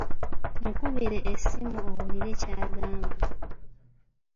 Mukubire essimu owulire ky’agamba.